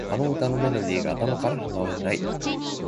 あの歌のメロディーが頭から離れない